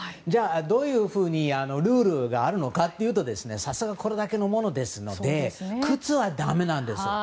どういうふうにルールがあるのかというとさすが、これだけのものですので靴はダメなんです。